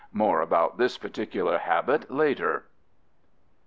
More about this particular habit later.